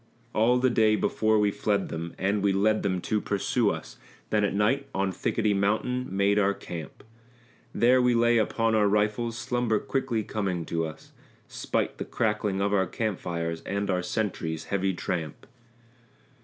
All the day before we fled them, and we led them to pursue us, Then at night on Thickety Mountain made our camp; There we lay upon our rifles, slumber quickly coming to us, Spite the crackling of our camp fires and our sentries' heavy tramp.